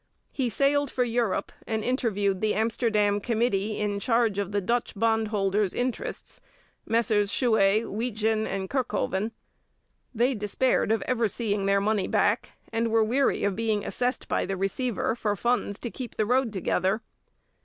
He sailed for Europe and interviewed the Amsterdam committee in charge of the Dutch bondholders' interests, Messrs Chouet, Weetjin and Kirkhoven. They despaired of ever seeing their money back, and were weary of being assessed by the receiver for funds to keep the road together.